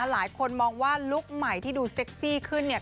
หลายคนมองว่าลุคใหม่ที่ดูเซ็กซี่ขึ้นเนี่ย